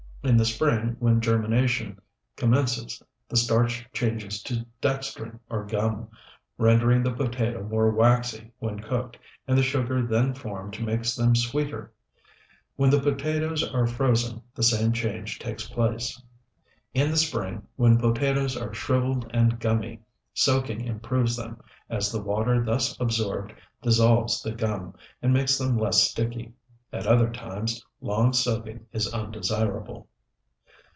In the spring, when germination commences, the starch changes to dextrin or gum, rendering the potato more waxy when cooked, and the sugar then formed makes them sweeter. When the potatoes are frozen, the same change takes place. In the spring, when potatoes are shriveled and gummy, soaking improves them, as the water thus absorbed dissolves the gum, and makes them less sticky. At other times, long soaking is undesirable.